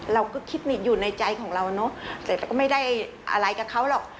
เราก็คิดอยู่ในใจของเราเนอะแต่เราก็ไม่ได้อะไรกับเขาหรอก